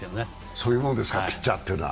そういうもんですか、ピッチャーというのは。